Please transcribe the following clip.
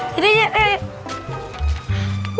yaudah yuk yuk